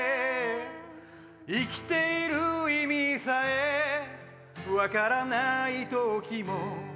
生きている意味さえ分からない時も